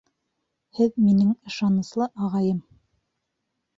Һеҙ минең иң ышаныслы ағайым.